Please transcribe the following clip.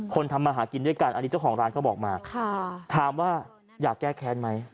ทำมาหากินด้วยกันอันนี้เจ้าของร้านเขาบอกมาถามว่าอยากแก้แค้นไหม